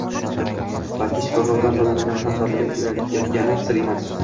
balki shifokorlar tomonidan ham sodir etilayotgani sir emas.